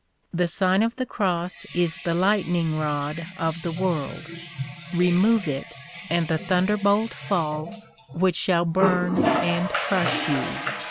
The Sign of the Cross is the lightning rod of the world; remove it, and the thunderbolt falls which shall burn and crush you.